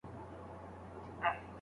شاګرد له تېر کال راهیسې معلومات راټولوي.